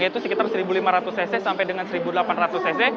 yaitu sekitar satu lima ratus cc sampai dengan seribu delapan ratus cc